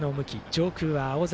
上空は青空。